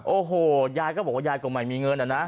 โอ้โหยายก็บอกว่ายายก็ไม่มีเงินอะนะ